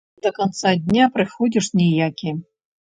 Да канца дня прыходзіш ніякі.